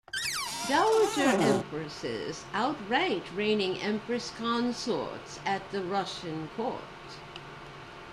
Dowager Empresses outranked reigning Empress Consorts at the Russian Court.